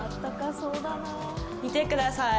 見てください。